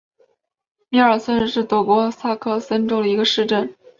米尔森是德国萨克森州的一个市镇。